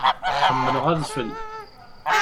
Ḥemmleɣ adfel.